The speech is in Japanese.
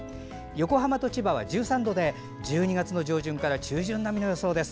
横浜と千葉は１３度で１２月上旬から中旬並みの予想です。